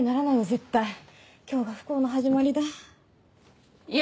絶対今日が不幸の始まりだいや